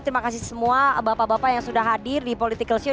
terima kasih semua bapak bapak yang sudah hadir di political show